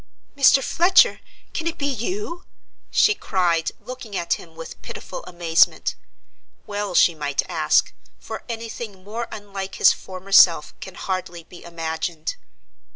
"Mr. Fletcher, can it be you!" she cried, looking at him with pitiful amazement. Well she might ask, for any thing more unlike his former self can hardly be imagined.